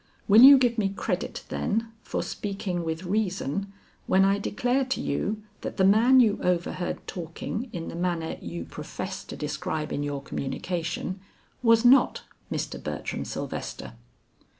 "Will you give me credit, then, for speaking with reason, when I declare to you that the man you overheard talking in the manner you profess to describe in your communication, was not Mr. Bertram Sylvester?"